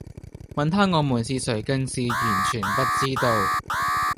問她我們是誰更是完全不知道